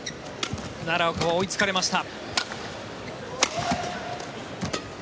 奈良岡は追いつかれました。